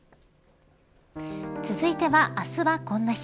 続いては、あすはこんな日。